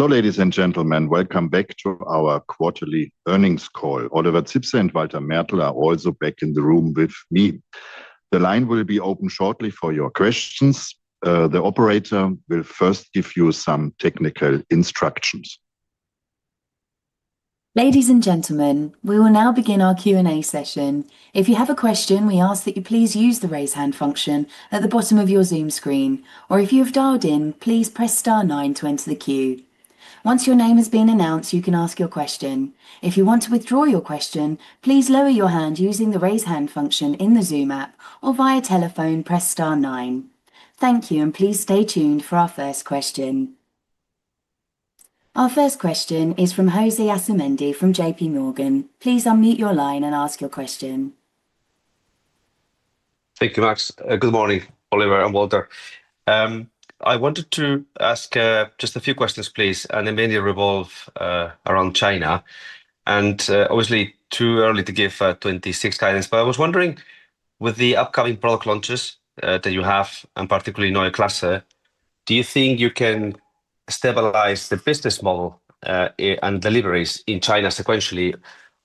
Ladies and gentlemen, welcome back to our quarterly earnings call. Oliver Zipse and Walter Mertl are also back in the room with me. The line will be open shortly for your questions. The operator will first give you some technical instructions. Ladies and gentlemen, we will now begin our Q&A session. If you have a question, we ask that you please use the raise hand function at the bottom of your Zoom screen, or if you have dialed in, please press star nine to enter the queue. Once your name has been announced, you can ask your question. If you want to withdraw your question, please lower your hand using the raise hand function in the Zoom app, or via telephone, press star nine. Thank you, and please stay tuned for our first question. Our first question is from José Asumendi from JPMorgan. Please unmute your line and ask your question. Thank you, Max. Good morning, Oliver and Walter. I wanted to ask just a few questions, please, and mainly revolve around China. Obviously, too early to give 2026 guidance, but I was wondering, with the upcoming product launches that you have, and particularly in Neue Klasse, do you think you can stabilize the business model and deliveries in China sequentially,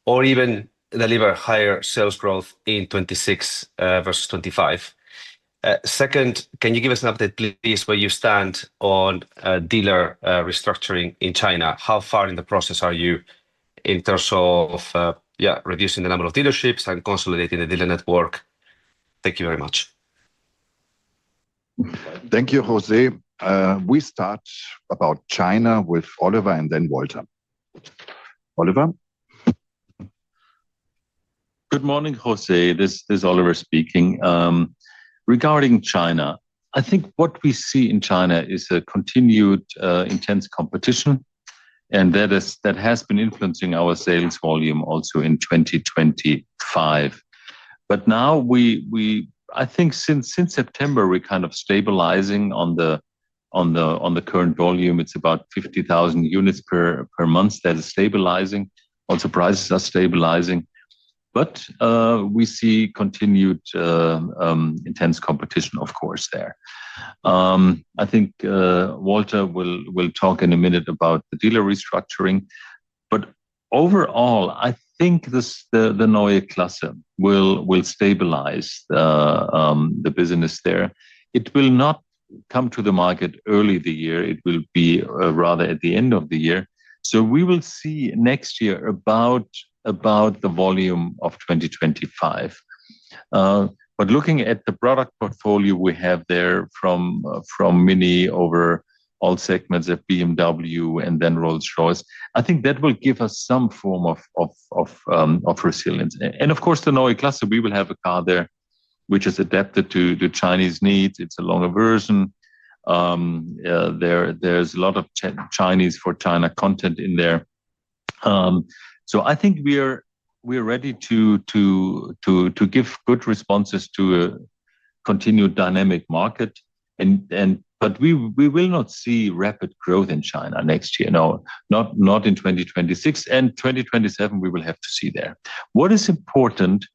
or even deliver higher sales growth in 2026 versus 2025? Second, can you give us an update, please, where you stand on dealer restructuring in China? How far in the process are you in terms of reducing the number of dealerships and consolidating the dealer network? Thank you very much. Thank you, José. We start about China with Oliver and then Walter. Oliver. Good morning, José. This is Oliver speaking. Regarding China, I think what we see in China is a continued intense competition. That has been influencing our sales volume also in 2025. Now, I think since September, we're kind of stabilizing on the current volume. It's about 50,000 units per month that is stabilizing. Also, prices are stabilizing. We see continued intense competition, of course, there. I think Walter will talk in a minute about the dealer restructuring. Overall, I think the Neue Klasse will stabilize the business there. It will not come to the market early in the year. It will be rather at the end of the year. We will see next year about the volume of 2025. Looking at the product portfolio we have there from. MINI over all segments of BMW and then Rolls-Royce, I think that will give us some form of resilience. Of course, the Neue Klasse, we will have a car there which is adapted to Chinese needs. It's a longer version. There's a lot of Chinese for China content in there. I think we're ready to give good responses to a continued dynamic market. We will not see rapid growth in China next year, no, not in 2026. In 2027, we will have to see there. What is important is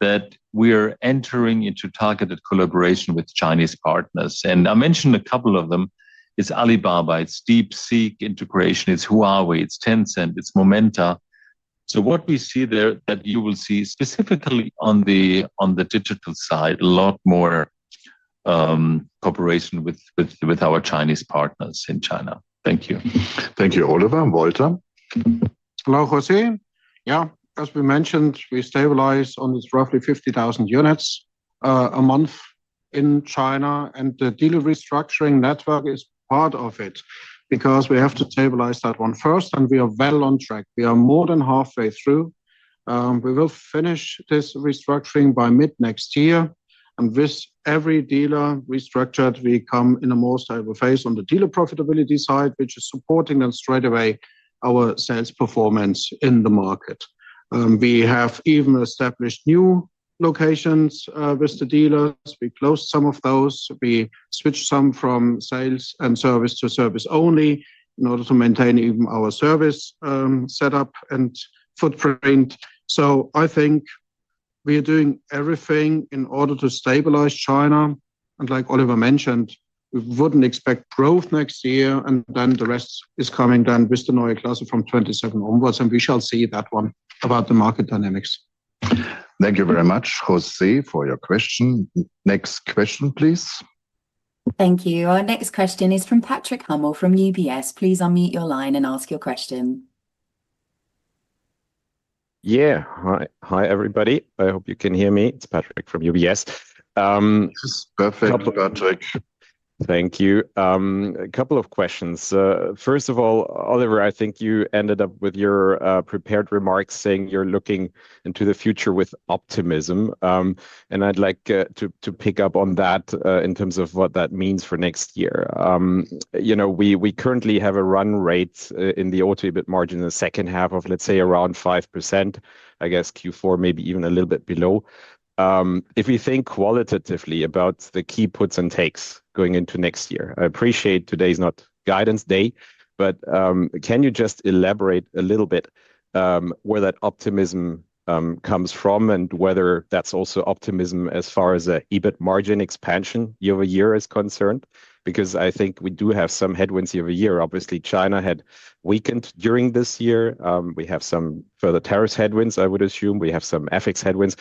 that we are entering into targeted collaboration with Chinese partners. I mentioned a couple of them. It's Alibaba. It's DeepSeek integration. It's Huawei. It's Tencent. It's Momenta. What we see there is that you will see specifically on the digital side, a lot more cooperation with our Chinese partners in China. Thank you. Thank you, Oliver and Walter. Hello, José. Yeah. As we mentioned, we stabilize on roughly 50,000 units a month in China. The dealer restructuring network is part of it because we have to stabilize that one first. We are well on track. We are more than halfway through. We will finish this restructuring by mid next year. With every dealer restructured, we come in a more stable phase on the dealer profitability side, which is supporting and straightaway our sales performance in the market. We have even established new locations with the dealers. We closed some of those. We switched some from sales and service to service only in order to maintain even our service setup and footprint. I think we are doing everything in order to stabilize China. Like Oliver mentioned, we would not expect growth next year. The rest is coming then with the Neue Klasse from 2027 onwards. We shall see that one about the market dynamics. Thank you very much José, for your question. Next question, please. Thank you. Our next question is from Patrick Hummel from UBS. Please unmute your line and ask your question. Yeah. Hi, everybody. I hope you can hear me. It's Patrick from UBS. Perfect. Hello, Patrick. Thank you. A couple of questions. First of all, Oliver, I think you ended up with your prepared remarks saying you're looking into the future with optimism. I'd like to pick up on that in terms of what that means for next year. We currently have a run rate in the auto margin in the second half of, let's say, around 5%, I guess Q4, maybe even a little bit below. If we think qualitatively about the key puts and takes going into next year, I appreciate today's not guidance day, but can you just elaborate a little bit. Where that optimism comes from and whether that's also optimism as far as an EBIT margin expansion year over year is concerned? Because I think we do have some headwinds year over year. Obviously, China had weakened during this year. We have some further tariffs headwinds, I would assume. We have some FX headwinds.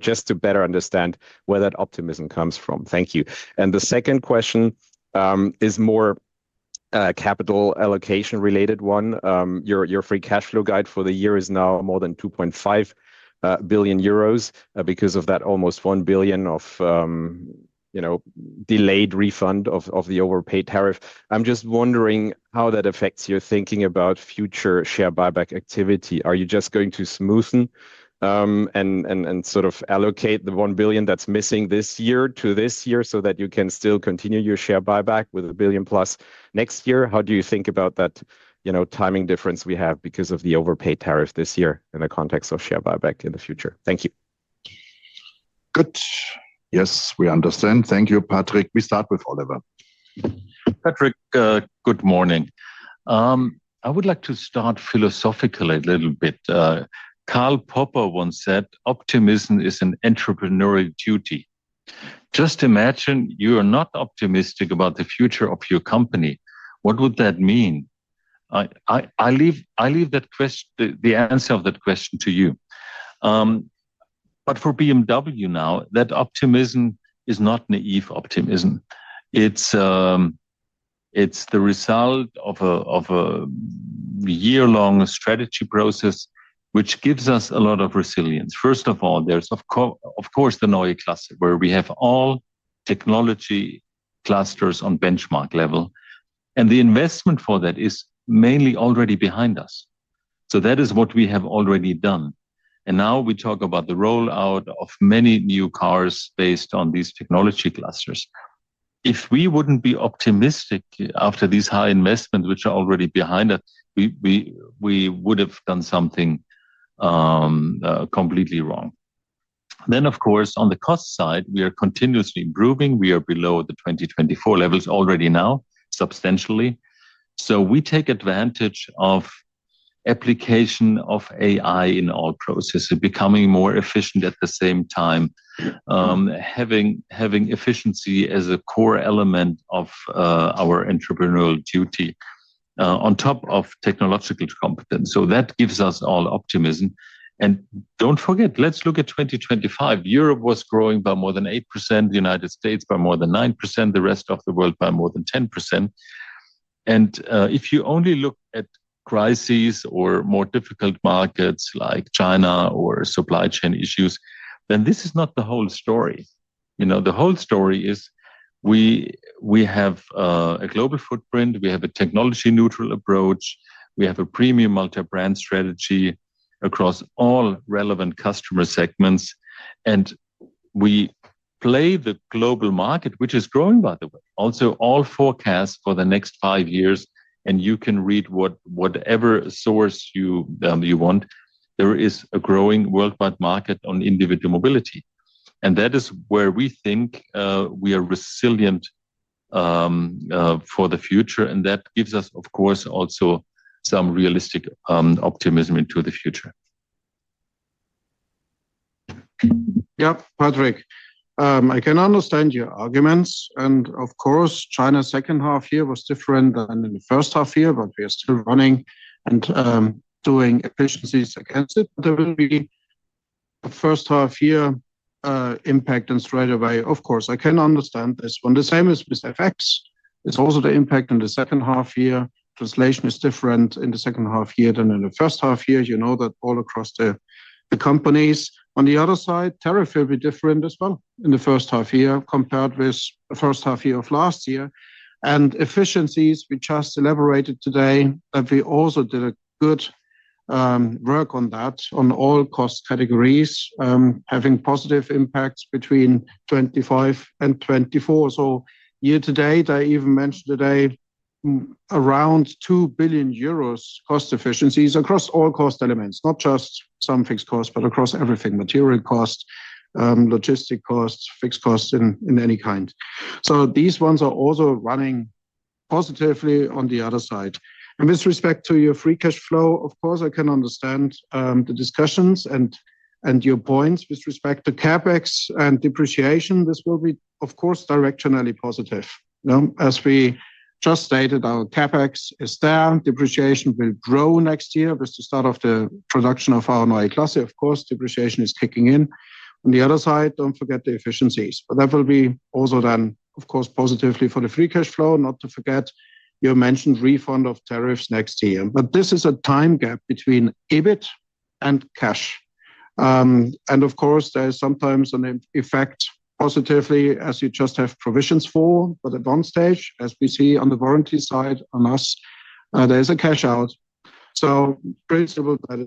Just to better understand where that optimism comes from, thank you. The second question is a more capital allocation related one. Your free cash flow guide for the year is now more than 2.5 billion euros because of that almost 1 billion of delayed refund of the overpaid tariff. I'm just wondering how that affects your thinking about future share buyback activity. Are you just going to smoothen and sort of allocate the 1 billion that's missing this year to this year so that you can still continue your share buyback with a billion plus next year? How do you think about that timing difference we have because of the overpaid tariff this year in the context of share buyback in the future? Thank you. Good. Yes, we understand. Thank you, Patrick. We start with Oliver. Patrick, good morning. I would like to start philosophically a little bit. Karl Popper once said, "Optimism is an entrepreneurial duty." Just imagine you are not optimistic about the future of your company. What would that mean? I leave the answer of that question to you. For BMW now, that optimism is not naive optimism. It is the result of a year-long strategy process which gives us a lot of resilience. First of all, there is, of course, the Neue Klasse where we have all technology clusters on benchmark level. The investment for that is mainly already behind us. That is what we have already done. Now we talk about the rollout of many new cars based on these technology clusters. If we would not be optimistic after these high investments, which are already behind us, we would have done something completely wrong. Of course, on the cost side, we are continuously improving. We are below the 2024 levels already now substantially. We take advantage of application of AI in all processes, becoming more efficient at the same time, having efficiency as a core element of our entrepreneurial duty on top of technological competence. That gives us all optimism. Don't forget, let's look at 2025. Europe was growing by more than 8%, the United States by more than 9%, the rest of the world by more than 10%. If you only look at crises or more difficult markets like China or supply chain issues, this is not the whole story. The whole story is we have a global footprint. We have a technology-neutral approach. We have a premium multi-brand strategy across all relevant customer segments. We play the global market, which is growing, by the way, also all forecasts for the next five years. You can read whatever source you want. There is a growing worldwide market on individual mobility. That is where we think we are resilient for the future. That gives us, of course, also some realistic optimism into the future. Yeah, Patrick, I can understand your arguments. Of course, China's second half year was different than in the first half year, but we are still running and doing efficiencies against it. There will be a first half year impact and straightaway, of course, I can understand this one. The same is with FX. It's also the impact in the second half year. Translation is different in the second half year than in the first half year. You know that all across the companies. On the other side, tariff will be different as well in the first half year compared with the first half year of last year. Efficiencies, we just elaborated today that we also did a good work on that on all cost categories, having positive impacts between 2025 and 2024. So year to date, I even mentioned today. Around 2 billion euros cost efficiencies across all cost elements, not just some fixed costs, but across everything: material costs, logistic costs, fixed costs in any kind. These ones are also running positively on the other side. With respect to your free cash flow, of course, I can understand the discussions and your points with respect to CapEx and depreciation. This will be, of course, directionally positive. As we just stated, our CapEx is there. Depreciation will grow next year with the start of the production of our Neue Klasse. Of course, depreciation is kicking in. On the other side, do not forget the efficiencies. That will be also done, of course, positively for the free cash flow. Not to forget, you mentioned refund of tariffs next year. This is a time gap between EBIT and cash. Of course, there is sometimes an effect positively, as you just have provisions for, but at one stage, as we see on the warranty side on us, there is a cash out. In principle, that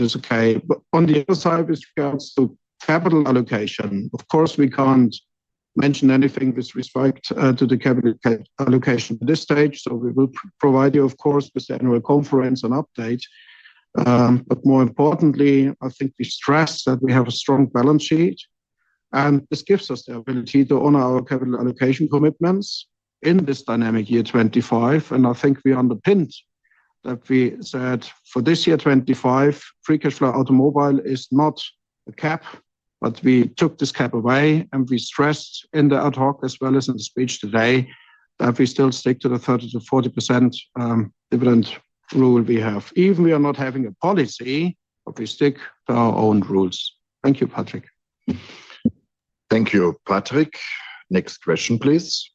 is okay. On the other side, with regards to capital allocation, of course, we cannot mention anything with respect to the capital allocation at this stage. We will provide you, of course, with the annual conference and update. More importantly, I think we stress that we have a strong balance sheet. This gives us the ability to honor our capital allocation commitments in this dynamic year 2025. I think we underpinned that we said for this year 2025, free cash flow automobile is not a cap, but we took this cap away. We stressed in the ad hoc as well as in the speech today that we still stick to the 30%-40% dividend rule we have. Even though we are not having a policy, we stick to our own rules. Thank you, Patrick. Thank you, Patrick. Next question, please.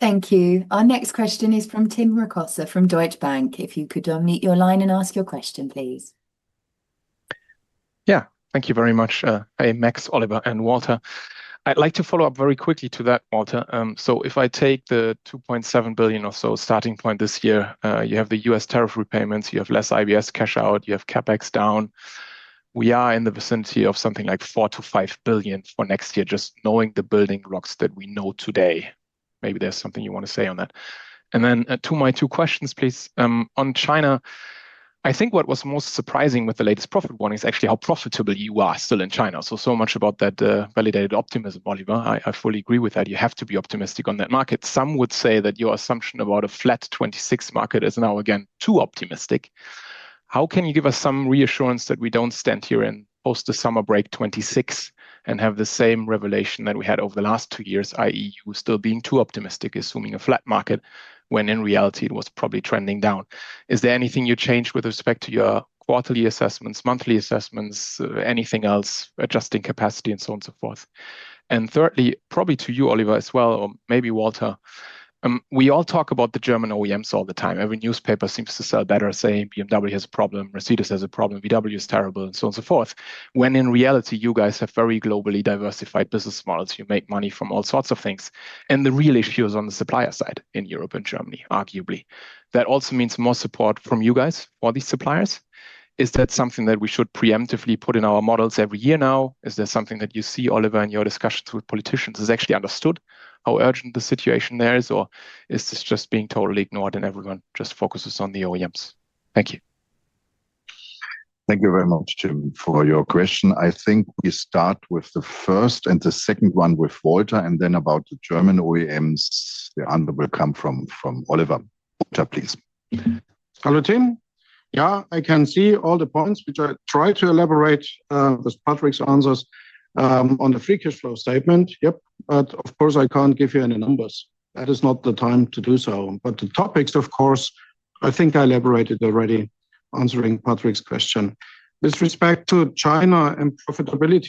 Thank you. Our next question is from Tim Rokossa from Deutsche Bank. If you could unmute your line and ask your question, please. Yeah, thank you very much. Hey, Max, Oliver, and Walter. I'd like to follow up very quickly to that, Walter. If I take the $2.7 billion or so starting point this year, you have the U.S. tariff repayments. You have less IBS cash out. You have CapEx down. We are in the vicinity of something like $4 billion-$5 billion for next year, just knowing the building blocks that we know today. Maybe there's something you want to say on that. To my two questions, please. On China, I think what was most surprising with the latest profit warnings is actually how profitable you are still in China. So much about that validated optimism, Oliver. I fully agree with that. You have to be optimistic on that market. Some would say that your assumption about a flat 2026 market is now, again, too optimistic. How can you give us some reassurance that we do not stand here and post the summer break 2026 and have the same revelation that we had over the last two years, i.e., you were still being too optimistic, assuming a flat market when in reality it was probably trending down? Is there anything you changed with respect to your quarterly assessments, monthly assessments, anything else, adjusting capacity, and so on and so forth? Thirdly, probably to you, Oliver, as well, or maybe Walter. We all talk about the German OEMs all the time. Every newspaper seems to sell better, saying BMW has a problem, Mercedes has a problem, VW is terrible, and so on and so forth. When in reality, you guys have very globally diversified business models. You make money from all sorts of things. The real issue is on the supplier side in Europe and Germany, arguably. That also means more support from you guys for these suppliers. Is that something that we should preemptively put in our models every year now? Is there something that you see, Oliver, in your discussions with politicians? Is it actually understood how urgent the situation there is, or is this just being totally ignored and everyone just focuses on the OEMs? Thank you. Thank you very much, Tim, for your question. I think we start with the first and the second one with Walter, and then about the German OEMs, the answer will come from Oliver. Walter, please. Hello, Tim. Yeah, I can see all the points which I tried to elaborate with Patrick's answers on the free cash flow statement. Yep. Of course, I can't give you any numbers. That is not the time to do so. The topics, of course, I think I elaborated already answering Patrick's question. With respect to China and profitability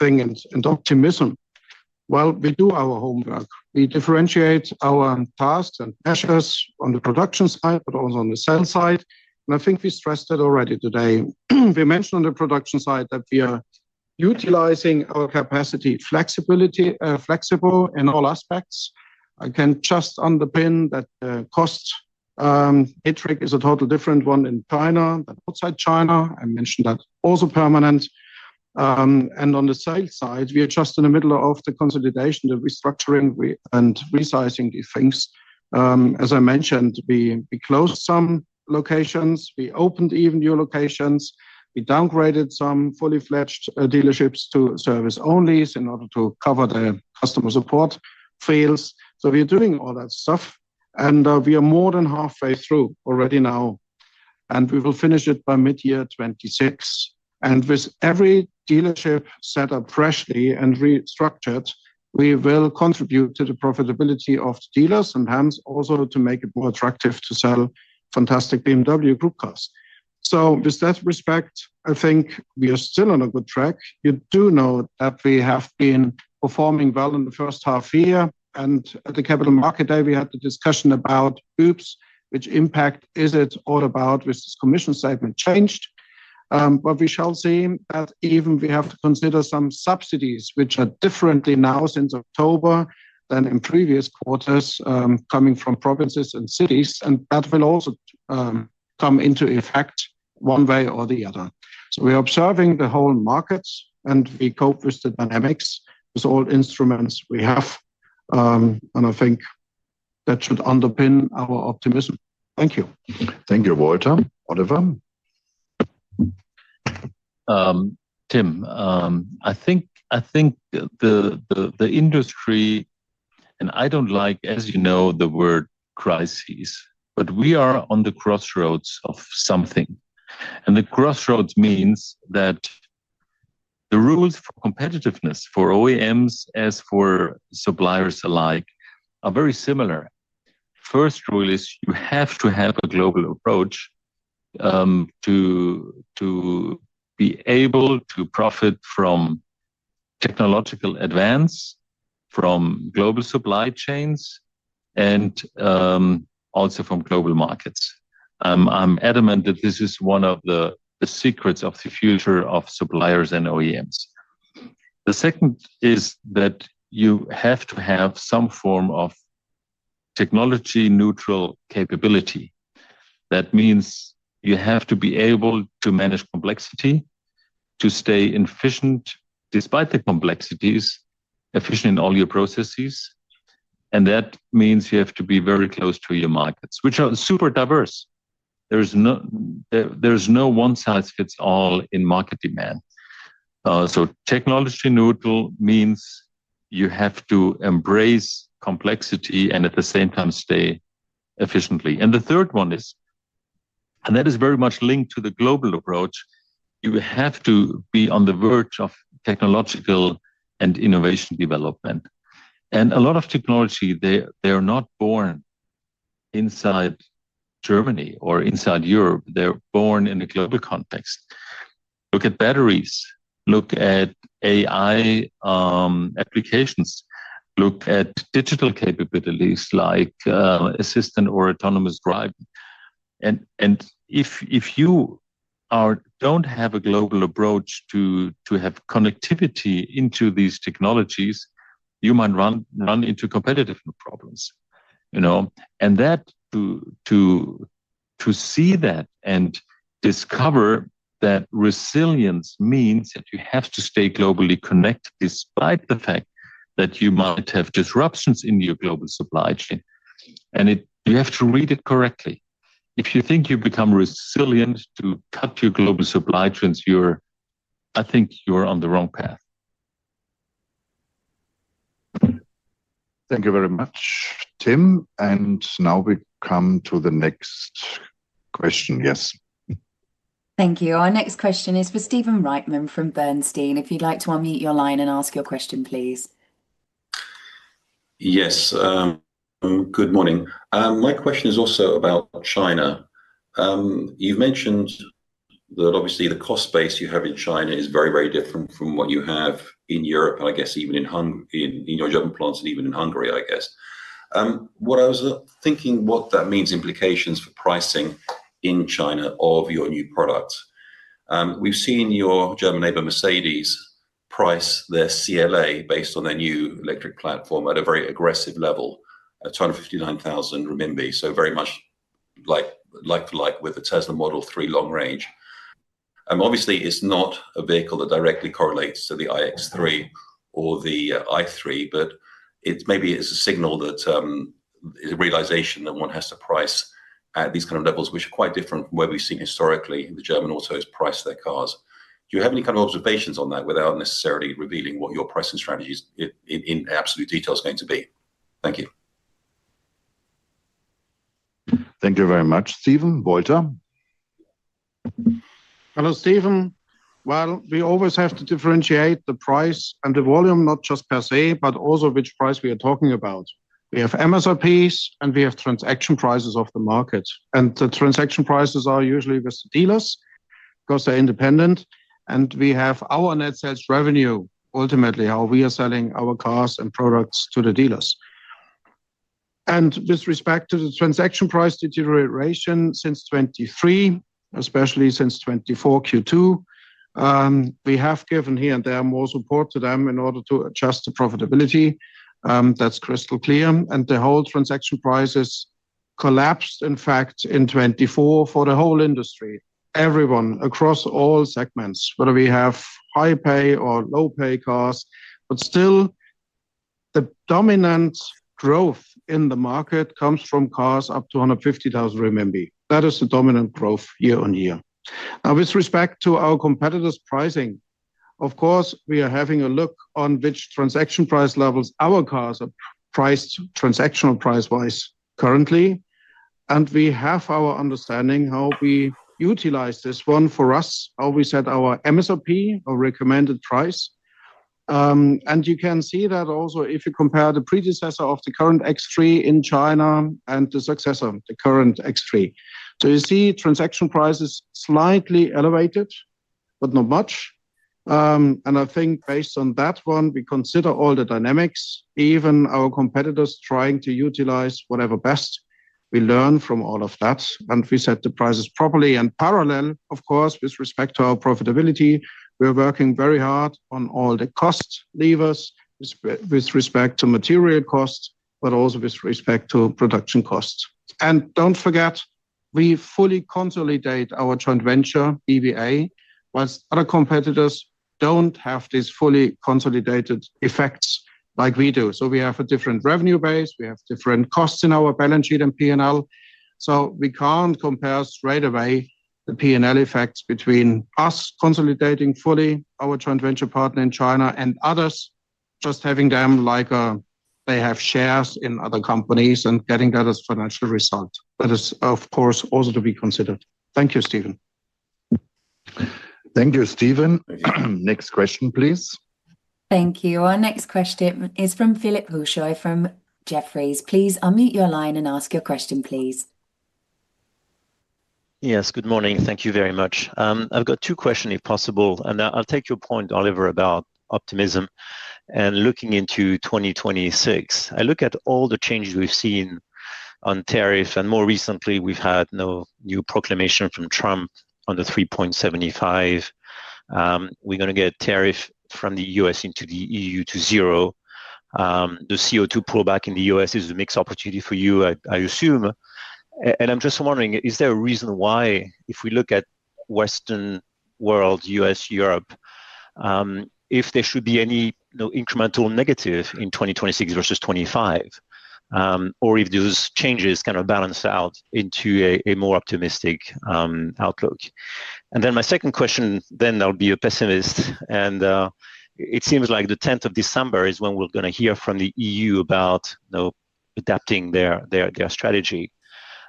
thing and optimism, we do our homework. We differentiate our tasks and measures on the production side, but also on the sell side. I think we stressed it already today. We mentioned on the production side that we are utilizing our capacity flexibly in all aspects. I can just underpin that the cost hit trick is a totally different one in China than outside China. I mentioned that also permanent. On the sales side, we are just in the middle of the consolidation, the restructuring, and resizing these things. As I mentioned, we closed some locations. We opened even new locations. We downgraded some fully fledged dealerships to service only in order to cover the customer support fields. We are doing all that stuff. We are more than halfway through already now. We will finish it by mid-year 2026. With every dealership set up freshly and restructured, we will contribute to the profitability of the dealers and hence also to make it more attractive to sell fantastic BMW Group cars. In that respect, I think we are still on a good track. You do know that we have been performing well in the first half year. At the capital market day, we had the discussion about BUBS, which impact is it all about with this commission statement changed? We shall see that even we have to consider some subsidies which are differently now since October than in previous quarters coming from provinces and cities. That will also come into effect one way or the other. We are observing the whole market and we cope with the dynamics with all instruments we have. I think that should underpin our optimism. Thank you. Thank you, Walter. Oliver. Tim, I think. The industry. I do not like, as you know, the word crises, but we are on the crossroads of something. The crossroads means that the rules for competitiveness for OEMs as for suppliers alike are very similar. First rule is you have to have a global approach. To be able to profit from technological advance, from global supply chains, and also from global markets. I am adamant that this is one of the secrets of the future of suppliers and OEMs. The second is that you have to have some form of technology-neutral capability. That means you have to be able to manage complexity, to stay efficient despite the complexities, efficient in all your processes. That means you have to be very close to your markets, which are super diverse. There is no one-size-fits-all in market demand. Technology-neutral means you have to embrace complexity and at the same time stay efficient. The third one is, and that is very much linked to the global approach, you have to be on the verge of technological and innovation development. A lot of technology, they are not born inside Germany or inside Europe. They are born in a global context. Look at batteries. Look at AI applications. Look at digital capabilities like assistant or autonomous driving. If you do not have a global approach to have connectivity into these technologies, you might run into competitive problems. To see that and discover that, resilience means that you have to stay globally connected despite the fact that you might have disruptions in your global supply chain. You have to read it correctly. If you think you become resilient to cut your global supply chains, I think you're on the wrong path. Thank you very much, Tim. Now we come to the next question. Yes. Thank you. Our next question is for Stephen Reitman from Bernstein. If you'd like to unmute your line and ask your question, please. Yes. Good morning. My question is also about China. You've mentioned that obviously the cost base you have in China is very, very different from what you have in Europe, and I guess even in your German plants and even in Hungary, I guess. What I was thinking, what that means implications for pricing in China of your new products. We've seen your German neighbor, Mercedes-Benz, price their CLA based on their new electric platform at a very aggressive level, 259,000 renminbi, so very much like to like with the Tesla Model 3 long range. Obviously, it's not a vehicle that directly correlates to the iX3 or the i3, but maybe it's a signal that it's a realization that one has to price at these kind of levels, which are quite different from where we've seen historically the German autos price their cars. Do you have any kind of observations on that without necessarily revealing what your pricing strategy in absolute detail is going to be? Thank you. Thank you very much, Stephen. Walter. Hello, Stephen. We always have to differentiate the price and the volume, not just per se, but also which price we are talking about. We have MSRPs and we have transaction prices of the market. The transaction prices are usually with the dealers because they are independent. We have our net sales revenue, ultimately how we are selling our cars and products to the dealers. With respect to the transaction price deterioration since 2023, especially since 2024 Q2, we have given here and there more support to them in order to adjust the profitability. That is crystal clear. The whole transaction prices collapsed, in fact, in 2024 for the whole industry, everyone across all segments, whether we have high pay or low pay cars. Still, the dominant growth in the market comes from cars up to 150,000 RMB. That is the dominant growth year-on-year. Now, with respect to our competitors' pricing, of course, we are having a look on which transaction price levels our cars are priced transactional price-wise currently. We have our understanding how we utilize this one for us, how we set our MSRP or recommended price. You can see that also if you compare the predecessor of the current X3 in China and the successor, the current X3. You see transaction prices slightly elevated, but not much. I think based on that one, we consider all the dynamics, even our competitors trying to utilize whatever best we learn from all of that. We set the prices properly and parallel, of course, with respect to our profitability. We are working very hard on all the cost levers with respect to material costs, but also with respect to production costs. Do not forget, we fully consolidate our joint venture, BBA, while other competitors do not have these fully consolidated effects like we do. We have a different revenue base. We have different costs in our balance sheet and P&L. We cannot compare straight away the P&L effects between us consolidating fully our joint venture partner in China and others, just having them like they have shares in other companies and getting that as a financial result. That is, of course, also to be considered. Thank you, Stephen. Thank you, Stephen. Next question, please. Thank you. Our next question is from Philippe Houchois from Jefferies. Please unmute your line and ask your question, please. Yes, good morning. Thank you very much. I've got two questions, if possible. I'll take your point, Oliver, about optimism and looking into 2026. I look at all the changes we've seen on tariffs, and more recently, we've had no new proclamation from Trump on the 3.75. We're going to get tariffs from the U.S. into the EU to zero. The CO2 pullback in the U.S. is a mixed opportunity for you, I assume. I'm just wondering, is there a reason why, if we look at Western world, U.S., Europe, if there should be any incremental negative in 2026 versus 2025. Or if those changes kind of balance out into a more optimistic outlook? My second question, then I'll be a pessimist. It seems like the 10th of December is when we're going to hear from the EU about adapting their strategy.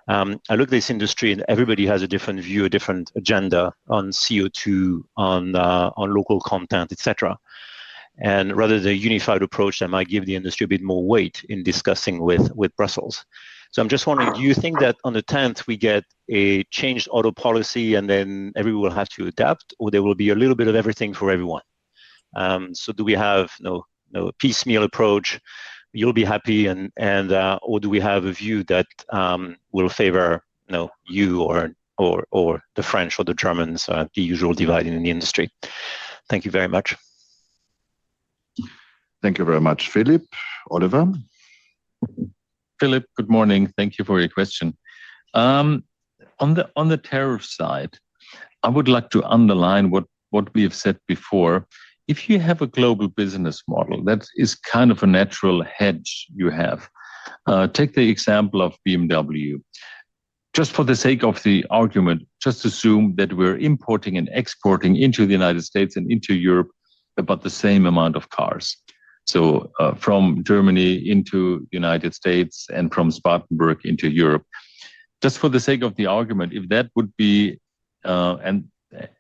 I look at this industry, and everybody has a different view, a different agenda on CO2, on local content, et cetera. Rather than a unified approach, that might give the industry a bit more weight in discussing with Brussels. I am just wondering, do you think that on the 10th, we get a changed auto policy and then everyone will have to adapt, or there will be a little bit of everything for everyone? Do we have a piecemeal approach? You will be happy. Or do we have a view that will favor you or the French or the Germans, the usual divide in the industry? Thank you very much. Thank you very much, Philippe. Oliver. Philippe, good morning. Thank you for your question. On the tariff side, I would like to underline what we have said before. If you have a global business model that is kind of a natural hedge you have, take the example of BMW. Just for the sake of the argument, just assume that we're importing and exporting into the United States and into Europe about the same amount of cars. From Germany into the United States and from Spartanburg into Europe. Just for the sake of the argument, if that would be.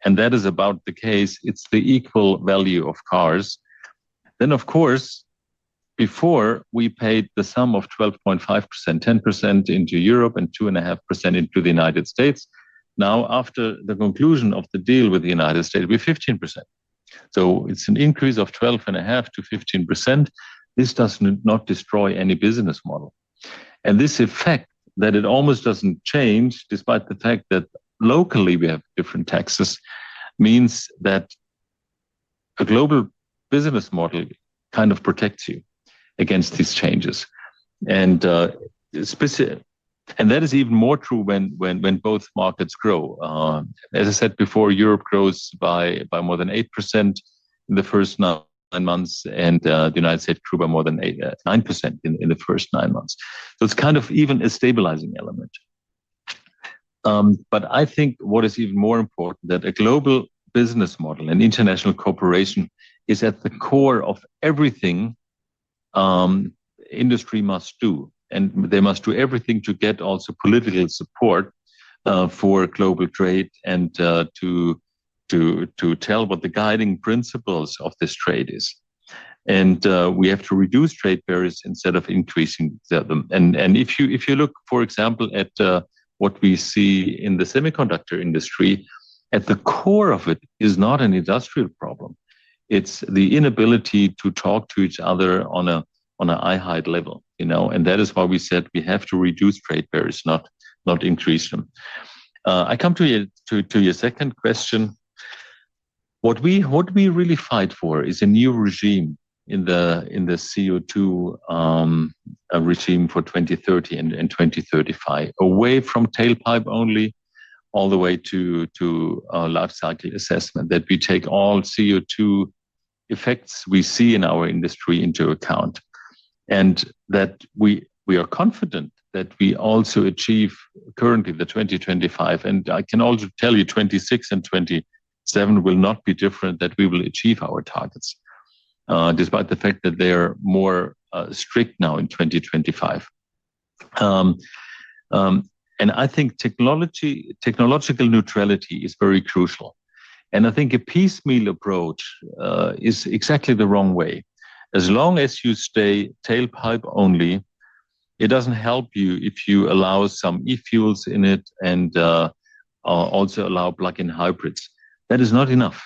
That is about the case, it is the equal value of cars. Then, of course, before, we paid the sum of 12.5%, 10% into Europe and 2.5% into the United States. Now, after the conclusion of the deal with the United States, we are 15%. It is an increase of 12.5%-15%. This does not destroy any business model. This effect that it almost does not change, despite the fact that locally we have different taxes, means that a global business model kind of protects you against these changes. That is even more true when both markets grow. As I said before, Europe grows by more than 8% in the first nine months, and the United States grew by more than 9% in the first nine months. It is kind of even a stabilizing element. I think what is even more important is that a global business model and international cooperation is at the core of everything industry must do. They must do everything to get also political support for global trade and to tell what the guiding principles of this trade is. We have to reduce trade barriers instead of increasing them. If you look, for example, at what we see in the semiconductor industry, at the core of it is not an industrial problem. It is the inability to talk to each other on an eye-high level. That is why we said we have to reduce trade barriers, not increase them. I come to your second question. What we really fight for is a new regime in the CO2 regime for 2030 and 2035, away from tailpipe only, all the way to life cycle assessment, that we take all CO2 effects we see in our industry into account. We are confident that we also achieve currently the 2025. I can also tell you 2026 and 2027 will not be different, that we will achieve our targets, despite the fact that they are more strict now in 2025. I think technological neutrality is very crucial. I think a piecemeal approach is exactly the wrong way. As long as you stay tailpipe only, it doesn't help you if you allow some e-fuels in it and also allow plug-in hybrids. That is not enough.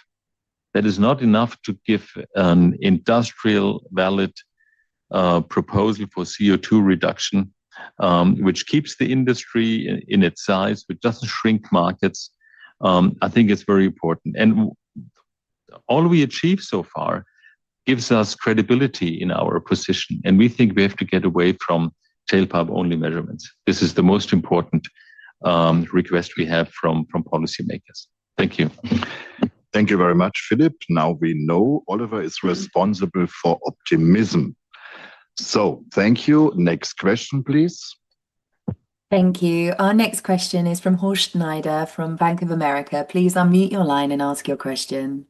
That is not enough to give an industrial valid proposal for CO2 reduction, which keeps the industry in its size, which doesn't shrink markets. I think it's very important. All we achieve so far gives us credibility in our position. We think we have to get away from tailpipe-only measurements. This is the most important request we have from policymakers. Thank you. Thank you very much, Philippe. Now we know Oliver is responsible for optimism. Thank you. Next question, please. Thank you. Our next question is from Horst Schneider from Bank of America. Please unmute your line and ask your question.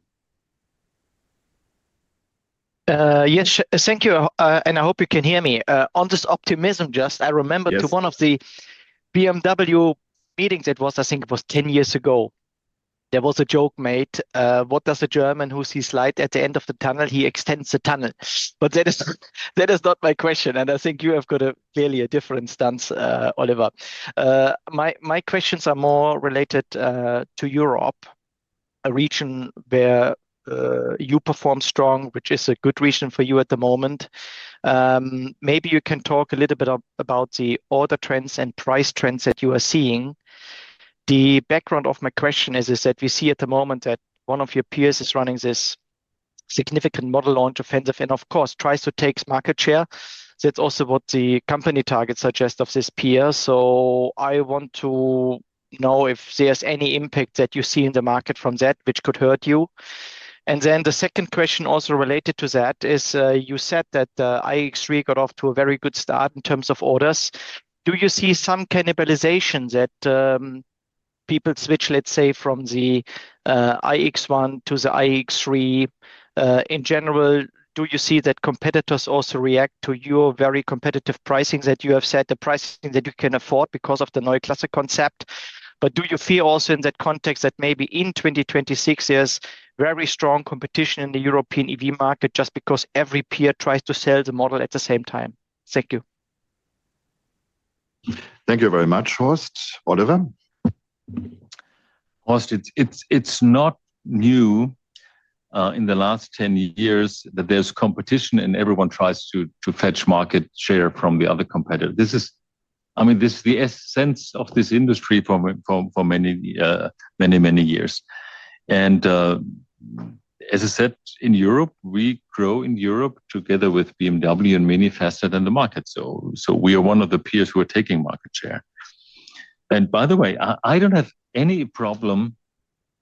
Yes, thank you. I hope you can hear me. On this optimism, I just remember at one of the BMW meetings, I think it was 10 years ago, there was a joke made: what does a German do who sees light at the end of the tunnel? He extends the tunnel. That is not my question. I think you have got clearly a different stance, Oliver. My questions are more related to Europe, a region where you perform strong, which is a good reason for you at the moment. Maybe you can talk a little bit about the order trends and price trends that you are seeing. The background of my question is that we see at the moment that one of your peers is running this significant model launch offensive and, of course, tries to take market share. That's also what the company targets suggest of this peer. I want to know if there's any impact that you see in the market from that, which could hurt you. The second question also related to that is you said that the iX3 got off to a very good start in terms of orders. Do you see some cannibalization that people switch, let's say, from the iX1 to the iX3? In general, do you see that competitors also react to your very competitive pricing that you have set, the pricing that you can afford because of the Neue Klasse concept? Do you feel also in that context that maybe in 2026, there's very strong competition in the European EV market just because every peer tries to sell the model at the same time? Thank you. Thank you very much, Horst. Oliver. Horst, it's not new. In the last 10 years that there's competition and everyone tries to fetch market share from the other competitor. This is, I mean, this is the essence of this industry for many, many, many years. As I said, in Europe, we grow in Europe together with BMW and MINI faster than the market. We are one of the peers who are taking market share. By the way, I don't have any problem.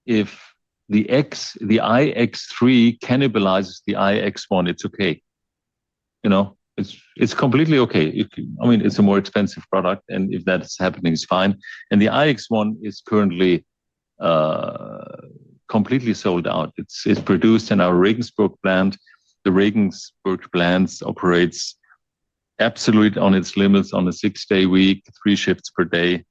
If the iX3 cannibalizes the iX1, it's okay. It's completely okay. I mean, it's a more expensive product, and if that's happening, it's fine. The iX1 is currently completely sold out. It's produced in our Regensburg plant. The Regensburg plant operates absolutely on its limits on a six-day week, three shifts per day.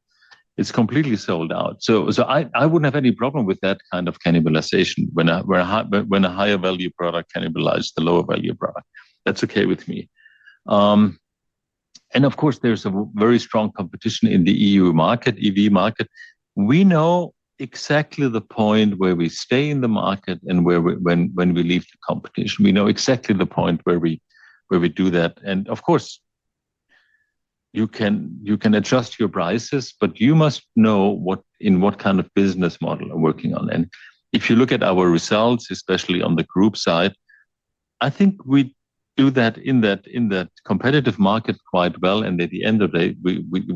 It's completely sold out. I wouldn't have any problem with that kind of cannibalization. When a higher value product cannibalizes the lower value product, that's okay with me. There is a very strong competition in the EU market, EV market. We know exactly the point where we stay in the market and when we leave the competition. We know exactly the point where we do that. You can adjust your prices, but you must know in what kind of business model you're working on. If you look at our results, especially on the group side, I think we do that in that competitive market quite well. At the end of the day,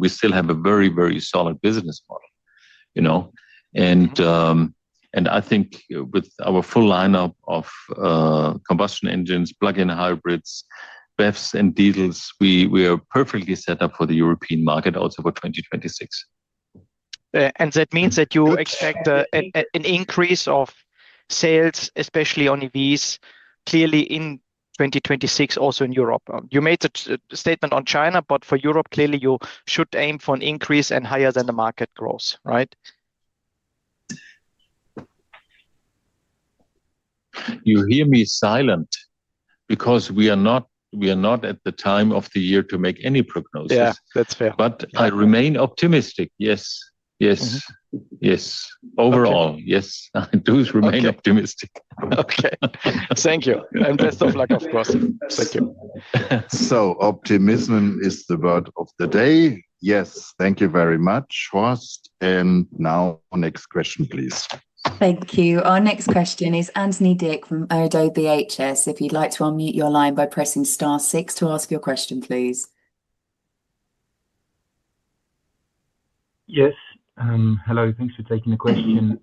we still have a very, very solid business model. I think with our full lineup of combustion engines, plug-in hybrids, BEVs, and diesels, we are perfectly set up for the European market also for 2026. That means that you expect an increase of sales, especially on EVs, clearly in 2026, also in Europe. You made the statement on China, but for Europe, clearly you should aim for an increase and higher than the market growth, right? You hear me silent because we are not at the time of the year to make any prognosis. Yeah, that's fair. I remain optimistic. Yes. Yes. Yes. Overall, yes. I do remain optimistic. Okay. Thank you. And best of luck, of course. Thank you. Optimism is the word of the day. Yes. Thank you very much, Horst. Now, next question, please. Thank you. Our next question is Anthony Dick from ODDO BHF If you'd like to unmute your line by pressing star six to ask your question, please. Yes. Hello. Thanks for taking the question.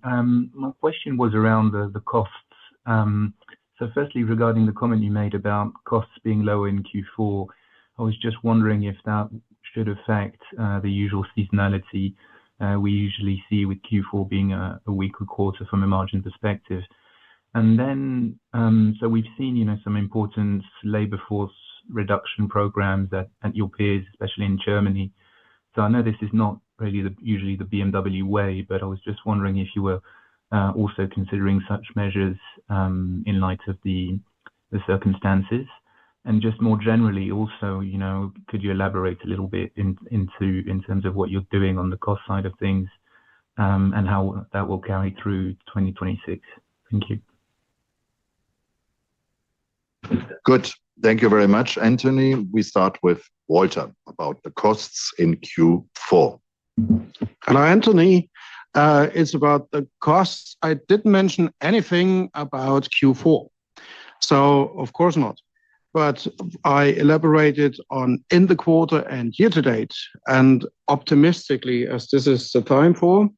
My question was around the costs. Firstly, regarding the comment you made about costs being lower in Q4, I was just wondering if that should affect the usual seasonality we usually see with Q4 being a weaker quarter from a margin perspective. We have seen some important labor force reduction programs at your peers, especially in Germany. I know this is not really usually the BMW way, but I was just wondering if you were also considering such measures in light of the circumstances. More generally, could you elaborate a little bit in terms of what you are doing on the cost side of things and how that will carry through 2026? Thank you. Good. Thank you very much, Anthony. We start with Walter about the costs in Q4. Hello, Anthony. It's about the costs. I didn't mention anything about Q4. Of course not. I elaborated on in the quarter and year-to-date. Optimistically, as this is the time for.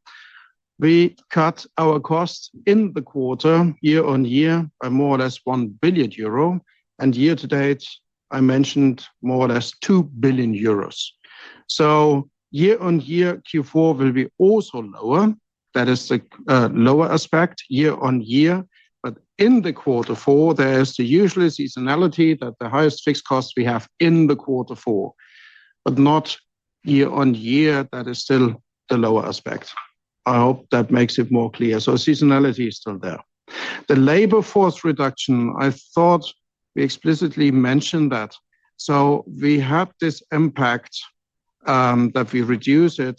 We cut our costs in the quarter year-on-year by more or less 1 billion euro. Year-to-date, I mentioned more or less 2 billion euros. Year-on-year, Q4 will be also lower. That is the lower aspect year on year. In the quarter four, there is the usual seasonality that the highest fixed costs we have in the quarter four, but not year on year. That is still the lower aspect. I hope that makes it more clear. Seasonality is still there. The labor force reduction, I thought we explicitly mentioned that. We have this impact. That we reduce it.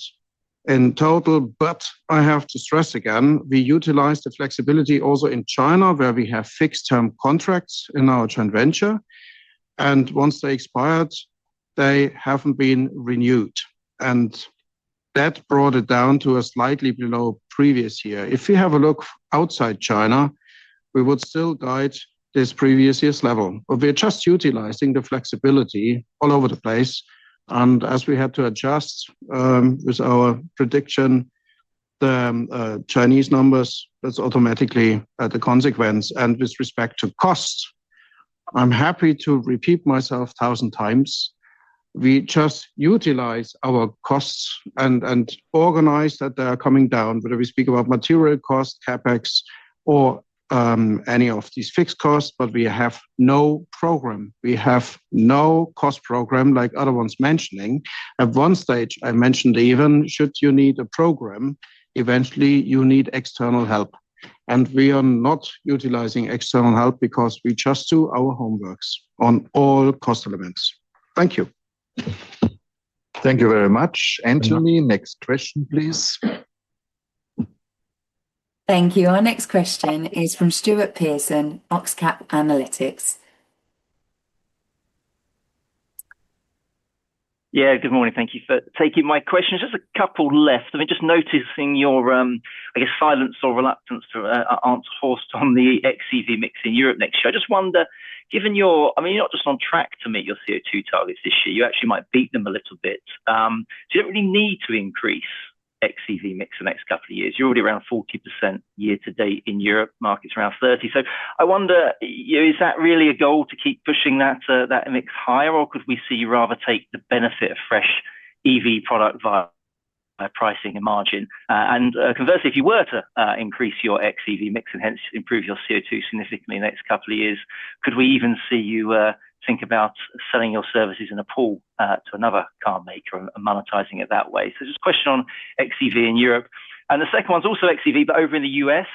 In total, but I have to stress again, we utilize the flexibility also in China, where we have fixed-term contracts in our joint venture. Once they expired, they have not been renewed. That brought it down to slightly below previous year. If we have a look outside China, we would still guide this previous year's level. We are just utilizing the flexibility all over the place, as we had to adjust with our prediction. The Chinese numbers, that is automatically the consequence. With respect to costs, I am happy to repeat myself a thousand times. We just utilize our costs and organize that they are coming down, whether we speak about material costs, CapEx, or any of these fixed costs, but we have no program. We have no cost program, like other ones mentioning. At one stage, I mentioned even, should you need a program, eventually you need external help. We are not utilizing external help because we just do our homeworks on all cost elements. Thank you. Thank you very much, Anthony. Next question, please. Thank you. Our next question is from Stuart Pearson, OxCap Analytics. Yeah, good morning. Thank you for taking my question. Just a couple left. I've been just noticing your, I guess, silence or reluctance to answer Horst on the XEV mix in Europe next year. I just wonder, given your, I mean, you're not just on track to meet your CO2 targets this year. You actually might beat them a little bit. So you don't really need to increase XEV mix in the next couple of years. You're already around 40% year-to-date in Europe, markets around 30%. I wonder, is that really a goal to keep pushing that mix higher, or could we see you rather take the benefit of fresh EV product via pricing and margin? Conversely, if you were to increase your XEV mix and hence improve your CO2 significantly in the next couple of years, could we even see you think about selling your services in a pool to another car maker and monetizing it that way? Just a question on XEV in Europe. The second one's also XEV, but over in the U.S.,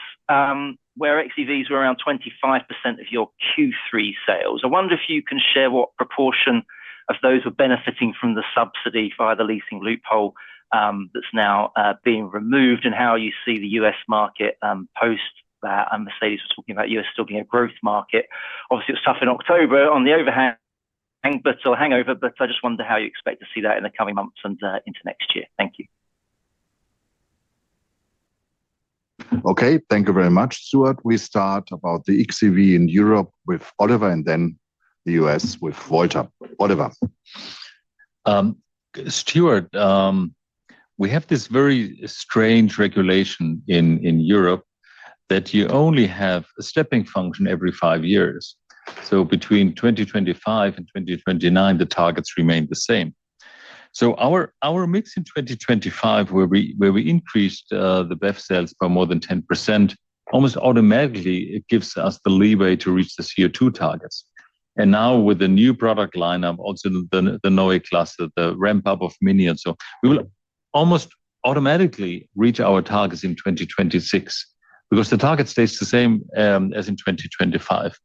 where XEVs were around 25% of your Q3 sales. I wonder if you can share what proportion of those were benefiting from the subsidy via the leasing loophole that's now being removed and how you see the U.S. market post that. Mercedes was talking about you as still being a growth market. Obviously, it was tough in October on the overhang but still a hangover, but I just wonder how you expect to see that in the coming months and into next year. Thank you. Okay. Thank you very much, Stuart. We start about the xEV in Europe with Oliver and then the U.S. with Walter. Oliver. Stuart, we have this very strange regulation in Europe that you only have a stepping function every five years. Between 2025 and 2029, the targets remain the same. Our mix in 2025, where we increased the BEV sales by more than 10%, almost automatically gives us the leeway to reach the CO2 targets. Now with the new product lineup, also the Neue Klasse, the ramp-up of MINI, and so on, we will almost automatically reach our targets in 2026 because the target stays the same as in 2025.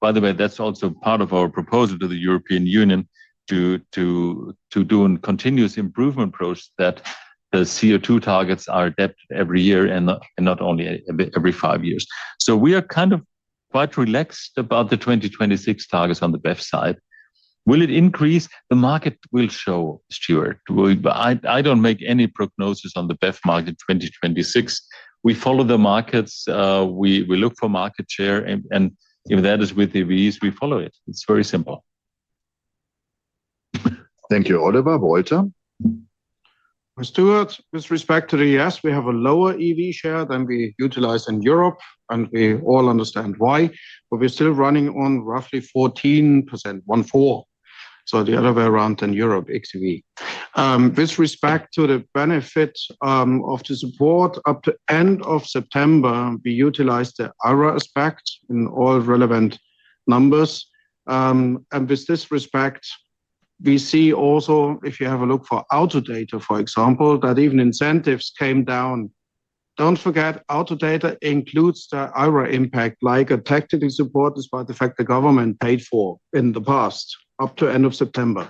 By the way, that's also part of our proposal to the European Union to do a continuous improvement approach that the CO2 targets are adapted every year and not only every five years. We are kind of quite relaxed about the 2026 targets on the BEV side. Will it increase? The market will show, Stuart. I don't make any prognosis on the BEV market 2026. We follow the markets. We look for market share. If that is with EVs, we follow it. It's very simple. Thank you, Oliver. Walter. Stuart, with respect to the ES, we have a lower EV share than we utilize in Europe, and we all understand why. We are still running on roughly 14%, 1.4%. The other way around than Europe, XEV. With respect to the benefit of the support, up to end of September, we utilized the ARA aspect in all relevant numbers. With this respect, we see also, if you have a look for Autodata, for example, that even incentives came down. Do not forget, Autodata includes the ARA impact, like a tactical support despite the fact the government paid for in the past up to end of September.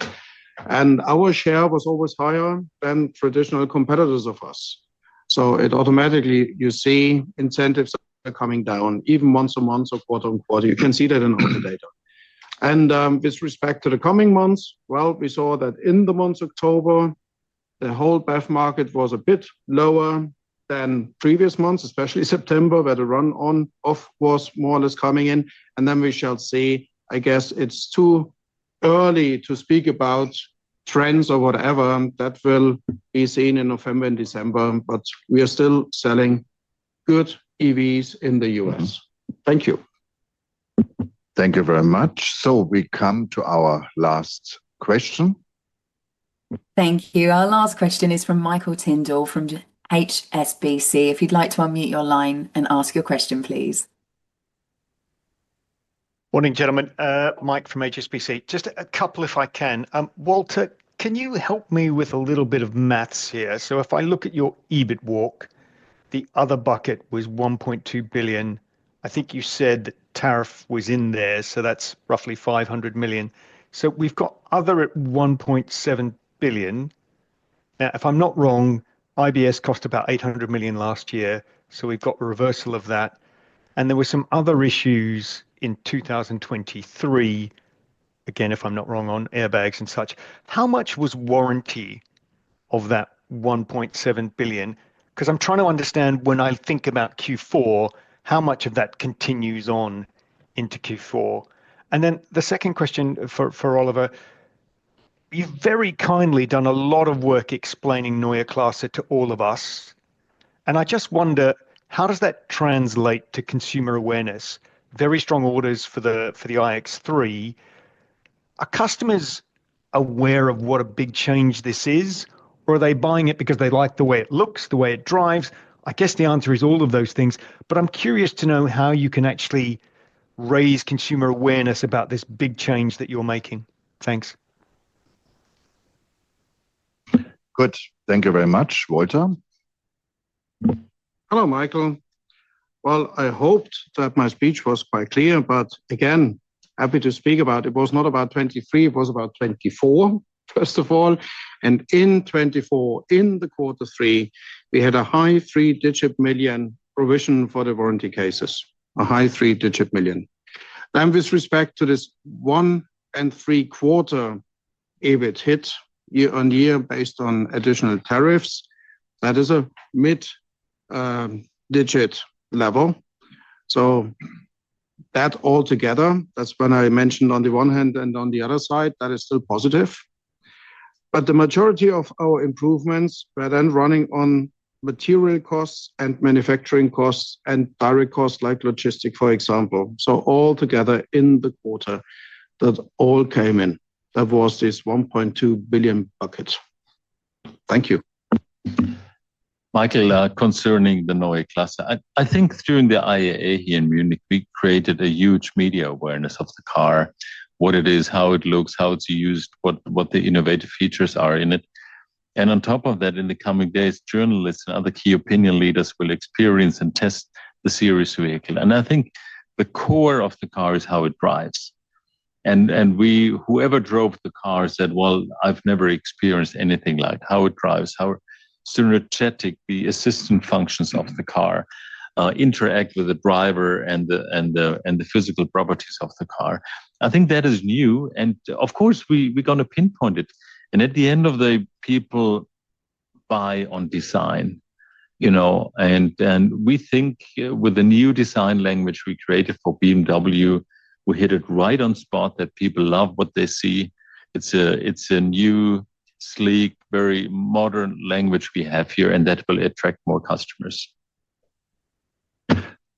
Our share was always higher than traditional competitors of us. It automatically, you see incentives are coming down, even months and months or quarter on quarter. You can see that in Autodata. With respect to the coming months, we saw that in the month of October, the whole BEV market was a bit lower than previous months, especially September, where the run-off was more or less coming in. I guess it's too early to speak about trends or whatever that will be seen in November and December, but we are still selling good EVs in the U.S. Thank you. Thank you very much. So we come to our last question. Thank you. Our last question is from Mike Tyndall from HSBC. If you'd like to unmute your line and ask your question, please. Morning, gentlemen. Mike from HSBC. Just a couple, if I can. Walter, can you help me with a little bit of maths here? If I look at your EBIT walk, the other bucket was 1.2 billion. I think you said the tariff was in there, so that's roughly 500 million. We have other at 1.7 billion. Now, if I'm not wrong, IBS cost about 800 million last year. We have the reversal of that. There were some other issues in 2023. Again, if I'm not wrong, on airbags and such. How much was warranty of that 1.7 billion? I'm trying to understand when I think about Q4, how much of that continues on into Q4. The second question for Oliver. You've very kindly done a lot of work explaining Neue Klasse to all of us. I just wonder, how does that translate to consumer awareness? Very strong orders for the iX3. Are customers aware of what a big change this is, or are they buying it because they like the way it looks, the way it drives? I guess the answer is all of those things. I'm curious to know how you can actually raise consumer awareness about this big change that you're making. Thanks. Good. Thank you very much, Walter. Hello, Michael. I hoped that my speech was quite clear, but again, happy to speak about it. It was not about 2023; it was about 2024, first of all. In 2024, in quarter three, we had a high three-digit million provision for the warranty cases, a high three-digit million. With respect to this one and three-quarter EBIT hit year on year based on additional tariffs, that is a mid-digit level. Altogether, that is when I mentioned on the one hand and on the other side, that is still positive. The majority of our improvements were then running on material costs and manufacturing costs and direct costs like logistics, for example. Altogether in the quarter that all came in, that was this 1.2 billion bucket. Thank you. Michael, concerning the Neue Klasse, I think during the IAA here in Munich, we created a huge media awareness of the car, what it is, how it looks, how it's used, what the innovative features are in it. On top of that, in the coming days, journalists and other key opinion leaders will experience and test the series vehicle. I think the core of the car is how it drives. Whoever drove the car said, "I've never experienced anything like how it drives, how synergetic the assistant functions of the car interact with the driver and the physical properties of the car." I think that is new. Of course, we're going to pinpoint it. At the end of the day, people buy on design. We think with the new design language we created for BMW, we hit it right on spot that people love what they see. It's a new, sleek, very modern language we have here, and that will attract more customers.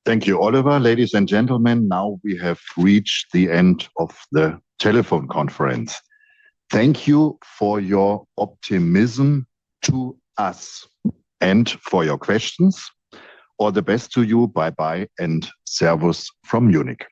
Thank you, Oliver. Ladies and gentlemen, now we have reached the end of the telephone conference. Thank you for your optimism to us and for your questions. All the best to you. Bye-bye and servus from Munich.